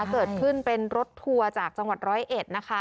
เกิดขึ้นเป็นรถทัวร์จากจังหวัดร้อยเอ็ดนะคะ